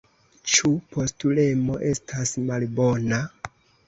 Ĉu postulemo estas malbona?